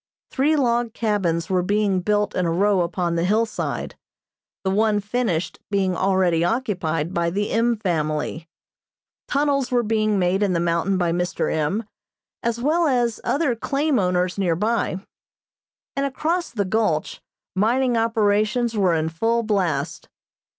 Three log cabins were being built in a row upon the hillside, the one finished being already occupied by the M. family. Tunnels were being made in the mountain by Mr. M., as well as other claim owners near by, and across the gulch mining operations were in full blast.